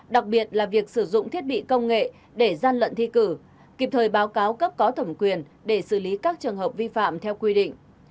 đặc biệt là việc sử dụng thiết bị công nghệ để gian lận thi cử kịp thời báo cáo cấp có thẩm quyền để xử lý các trường hợp vi phạm theo quy định